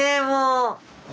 もう。